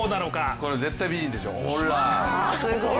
これは絶対美人でしょう。